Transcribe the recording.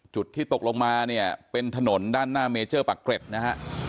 จุดที่ตกลงมาเนี่ยเป็นถนนด้านหน้าเมเจอร์ปากเกร็ดนะฮะ